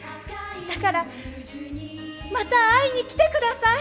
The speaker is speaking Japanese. だからまた会いに来て下さい。